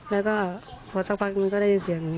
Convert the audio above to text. แล้วก็พอสักพักนึงก็ได้ยินเสียง